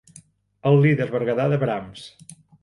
El líder berguedà de Brams.